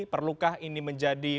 perlukah ini menjadi